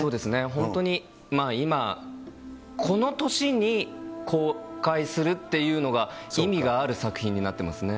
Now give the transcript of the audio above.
本当に今この年に公開するっていうのが、意味がある作品になってますね。